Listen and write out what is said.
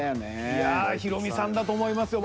いやヒロミさんだと思いますよ